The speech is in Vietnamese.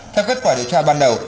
theo kết quả điều tra ban đầu